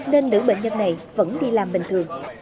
nên nữ bệnh nhân này vẫn đi làm bình thường